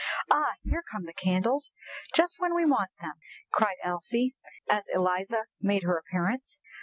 "Ah! here come the candles—just when we want them!" cried Elsie, as Eliza made her appearance.